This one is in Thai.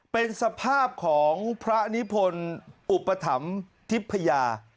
เป็นสภาพของพระนิพนธ์อุปถัมภ์ทิพญา